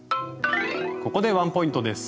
ここでワインポイントです。